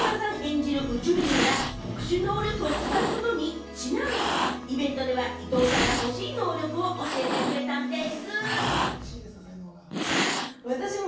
今回、中村さん演じる宇宙人が特殊能力を使うことにちなみ、イベントでは伊藤さんが欲しい能力を教えてくれたんでぃす！